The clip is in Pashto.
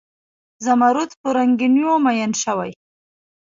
زمرود په رنګینیو میین شوي